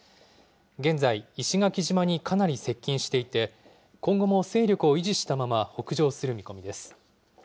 現在、石垣島にかなり接近していて、今後も勢力を維持したまま北上する見込みです。